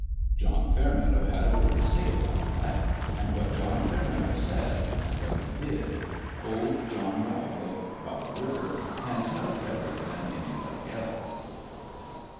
John Fairmeadow had a word to say about that ; and what John Fairmeadow said and what he did old John Rowl, of Bottle River, can tell better than anybody else.